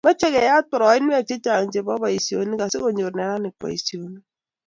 Mochei keyat poroinwek chechang chebo boisionik asikonyor neranik boisionik